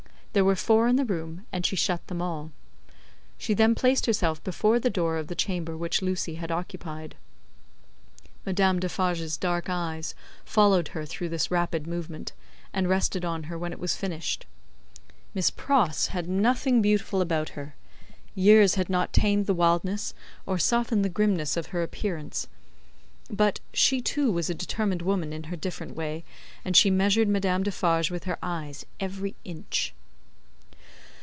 There were four in the room, and she shut them all. She then placed herself before the door of the chamber which Lucie had occupied. Madame Defarge's dark eyes followed her through this rapid movement, and rested on her when it was finished. Miss Pross had nothing beautiful about her; years had not tamed the wildness, or softened the grimness, of her appearance; but, she too was a determined woman in her different way, and she measured Madame Defarge with her eyes, every inch.